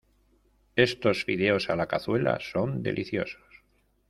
Estos fideos a la cazuela son deliciosos.